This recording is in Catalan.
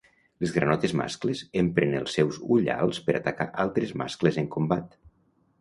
Les granotes mascles empren els seus ullals per atacar altres mascles en combat.